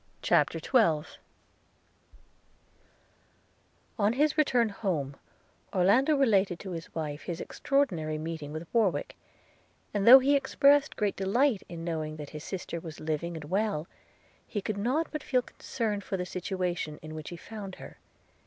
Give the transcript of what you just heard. CHAPTER XII ON his return home, Orlando related to his wife his extraordinary meeting with Warwick; and though he expressed great delight in knowing that his sister was living and well, he could not but feel concern for the situation in which he found her.